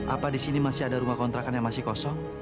apa di sini masih ada rumah kontrakan yang masih kosong